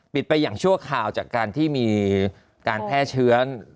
ไปอย่างชั่วคราวจากการที่มีการแพร่เชื้อ